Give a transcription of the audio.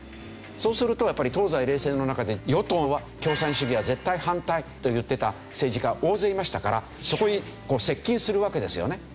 そうするとやっぱり東西冷戦の中で与党は共産主義は絶対反対と言ってた政治家は大勢いましたからそこに接近するわけですよね。